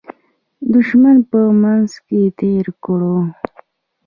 دښمن په منځ کې تېر کړو.